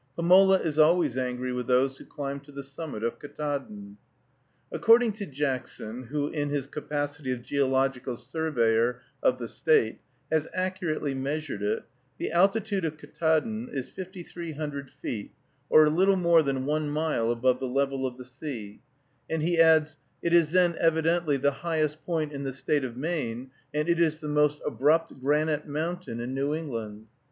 Pomola is always angry with those who climb to the summit of Ktaadn. According to Jackson, who, in his capacity of geological surveyor of the State, has accurately measured it, the altitude of Ktaadn is 5300 feet, or a little more than one mile above the level of the sea, and he adds, "It is then evidently the highest point in the State of Maine, and is the most abrupt granite mountain in New England."